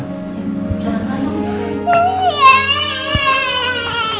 tidak ada apa apa